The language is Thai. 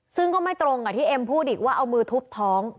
ซึ่งก็ไม่ตรงกับที่เอ็มพูดอีกว่าเอามือทุบท้อง